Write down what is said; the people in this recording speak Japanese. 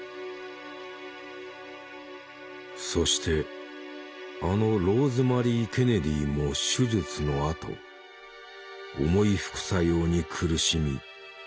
そしてあのローズマリー・ケネディも手術のあと重い副作用に苦しみ養護施設に入った。